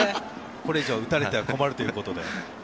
これ以上打たれては困るということで。